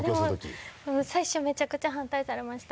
あっでも最初めちゃくちゃ反対されました。